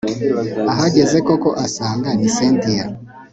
ahageze koko asanga ni cyntia